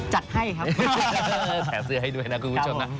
จัดให้ครับแถเสื้อให้ด้วยนะคุณผู้ชมนะ